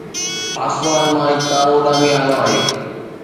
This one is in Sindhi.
آسمان مان هڪ تارو اڏامي آيو آهي